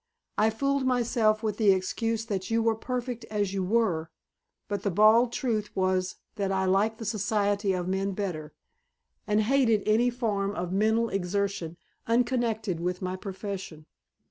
I fooled myself with the excuse that you were perfect as you were, but the bald truth was that I liked the society of men better, and hated any form of mental exertion unconnected with my profession.